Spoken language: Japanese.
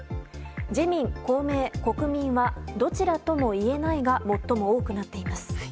自民、公明、国民はどちらともいえないが最も多くなっています。